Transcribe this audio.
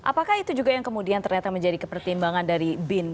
apakah itu juga yang kemudian ternyata menjadi kepertimbangan dari bin